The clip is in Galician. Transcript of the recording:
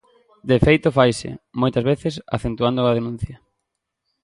De feito faise, moitas veces acentuando a denuncia.